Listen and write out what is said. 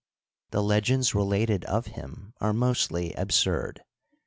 The legends re lated of him are mostly absurd.